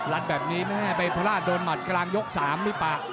ลัดแบบนี้แม่ไปพระราชโดนหมัดกำลังยก๓มิปะ